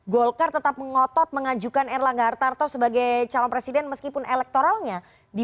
golkar tetap mengotot mengajukan erlangga hartarto sebagai calon presiden meskipun elektoralnya di